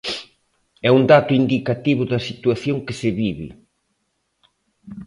É un dato indicativo da situación que se vive.